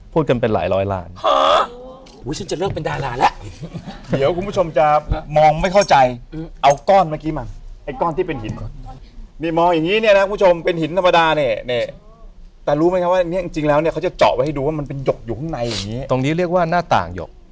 พูดกันเป็นหลายร้อยล่า